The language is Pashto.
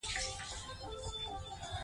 د پاک خدای په امان.